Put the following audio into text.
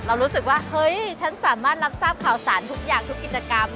รู้สึกว่าเฮ้ยฉันสามารถรับทราบข่าวสารทุกอย่างทุกกิจกรรม